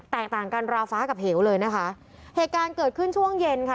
ต่างกันราฟ้ากับเหวเลยนะคะเหตุการณ์เกิดขึ้นช่วงเย็นค่ะ